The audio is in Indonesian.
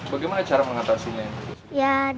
bagaimana cara mengatasinya